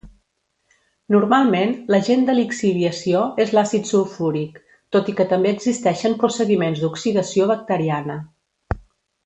Normalment l’agent de lixiviació és l’àcid sulfúric, tot i que també existeixen procediments d’oxidació bacteriana.